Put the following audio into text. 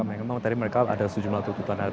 memang tadi mereka ada sejumlah tuntutan